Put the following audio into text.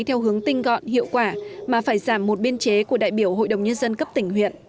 theo hướng tinh gọn hiệu quả mà phải giảm một biên chế của đại biểu hội đồng nhân dân cấp tỉnh huyện